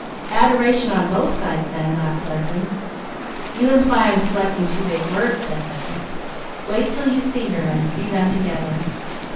"Adoration on both sides, then," laughed Leslie. "You imply I'm selecting too big words," said Douglas. "Wait till you see her, and see them together."